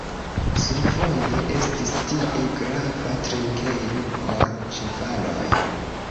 Survoje estis tie grava trinkejo por ĉevaloj.